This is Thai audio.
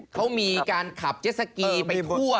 เขามีการขับเจ็ดสกีไปทั่ว